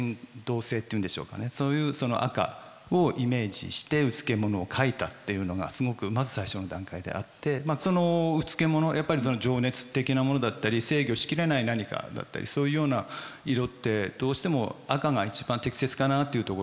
そういうその赤をイメージしてうつけ者を描いたっていうのがすごくまず最初の段階であってそのうつけ者やっぱり情熱的なものだったり制御し切れない何かだったりそういうような色ってどうしても赤が一番適切かなあというところで。